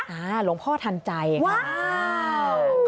หลวงพ่อทันใจค่ะ